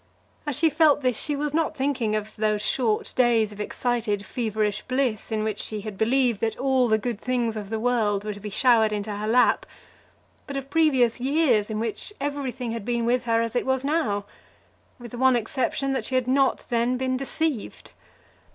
As she felt this she was not thinking of those short days of excited, feverish bliss in which she had believed that all the good things of the world were to be showered into her lap; but of previous years in which everything had been with her as it was now, with the one exception that she had not then been deceived.